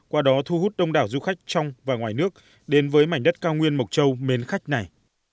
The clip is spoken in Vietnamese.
qua đó thu hút đông đảo du khách trong và ngoài nước đến với mảnh đất cao nguyên mộc châu mến khách này